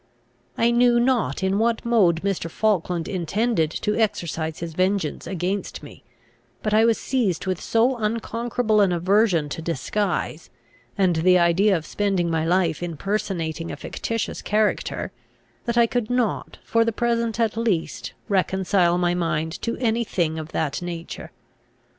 I knew not in what mode Mr. Falkland intended to exercise his vengeance against me; but I was seized with so unconquerable an aversion to disguise, and the idea of spending my life in personating a fictitious character, that I could not, for the present at least, reconcile my mind to any thing of that nature.